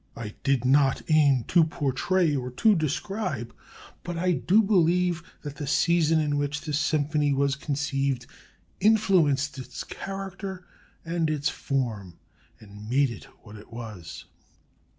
I did not aim to portray or to describe; but I do believe that the season in which the symphony was conceived influenced its character and its form and made it what it is."